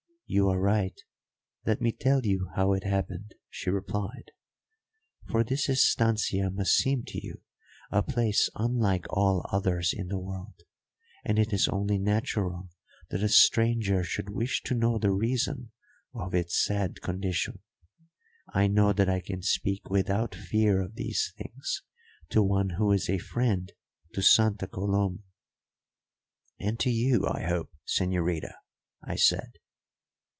"You are right; let me tell you how it happened," she replied. "For this estancia must seem to you a place unlike all others in the world, and it is only natural that a stranger should wish to know the reason of its sad condition. I know that I can speak without fear of these things to one who is a friend to Santa Coloma." "And to you, I hope, señorita," I said.